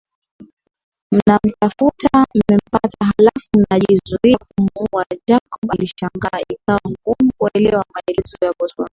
Mnamtafutammepatahalafu mnajizuia kumuua Jacob alishangaa ikawa ngumu kuelewa maelezo ya bosi wake